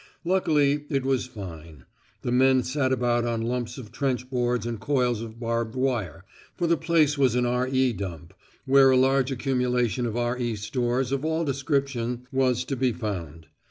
Luckily it was fine. The men sat about on lumps of trench boards and coils of barbed wire, for the place was an "R.E. Dump," where a large accumulation of R.E. stores of all description was to be found.